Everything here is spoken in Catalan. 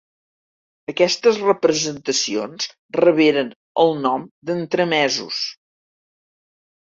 Aquestes representacions reberen el nom d'entremesos.